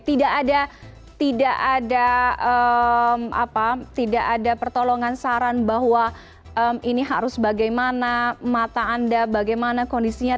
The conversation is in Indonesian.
tidak ada tidak ada apa tidak ada pertolongan saran bahwa ini harus bagaimana mata anda bagaimana kondisinya